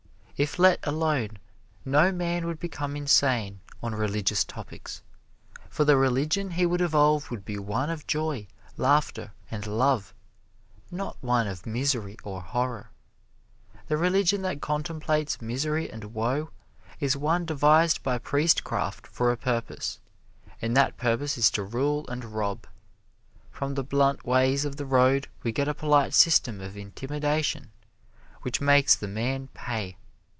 If let alone no man would become insane on religious topics, for the religion he would evolve would be one of joy, laughter and love, not one of misery or horror. The religion that contemplates misery and woe is one devised by priestcraft for a purpose, and that purpose is to rule and rob. From the blunt ways of the road we get a polite system of intimidation which makes the man pay.